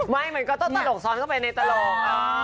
ไม่มันก็ต้องตลกซ้อนเข้าไปในตลก